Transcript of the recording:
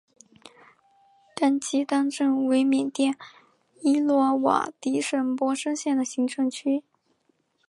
甘基当镇为缅甸伊洛瓦底省勃生县的行政区。